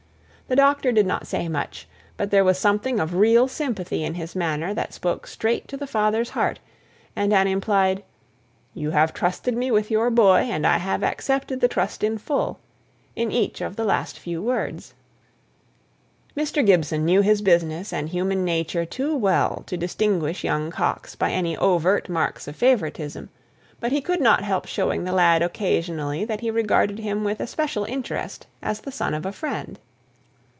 The doctor did not say much; but there was something of real sympathy in his manner that spoke straight to the father's heart, and an implied "you have trusted me with your boy, and I have accepted the trust in full," in each of the few last words. Mr. Gibson knew his business and human nature too well to distinguish young Coxe by any overt marks of favouritism; but he could not help showing the lad occasionally that he regarded him with especial interest as the son of a friend.